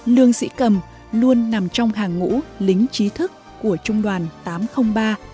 lương sĩ cầm luôn nằm trong hàng ngũ lính trí thức của trung đoàn tám trăm linh ba